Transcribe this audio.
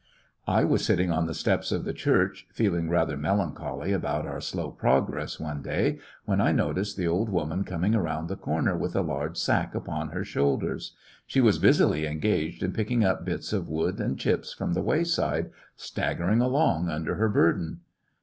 I was sitting on the steps of the church, Anoldgleamr feeling rather melancholy about our slow progress, one day, when I noticed the old woman coming around the comer with a large sack upon her shoulders. She was busily en gaged in picking up bits of wood and chips from the wayside, staggering along under her burden.